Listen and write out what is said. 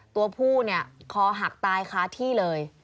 ตัวผู้คอหักตายค้าที่เลย